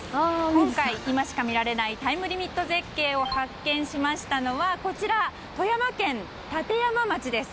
今回、今しか見られないタイムリミット絶景を発見しましたのはこちら、富山県立山町です。